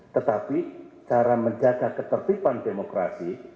tetapi cara menjaga ketertiban demokrasi